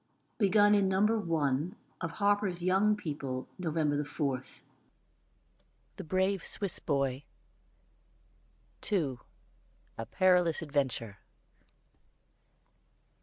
"] [Begun in No. 1 of HARPER'S YOUNG PEOPLE, November 4.] THE BRAVE SWISS BOY. _II. A PERILOUS ADVENTURE.